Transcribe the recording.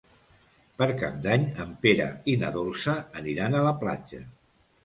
Per Cap d'Any en Pere i na Dolça aniran a la platja.